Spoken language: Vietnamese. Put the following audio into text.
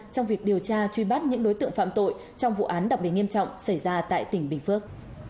trong việc điều tra truy bắt những đối tượng phạm tội trong vụ án đặc biệt nghiêm trọng xảy ra tại tỉnh bình phước